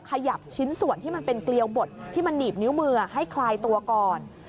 ขยับชิ้นส่วนที่มันเป็นเกลียวบดที่มันหนีบนิ้วมือให้คลายตัวก่อน